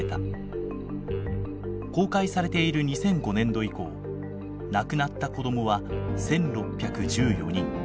公開されている２００５年度以降亡くなった子どもは１，６１４人。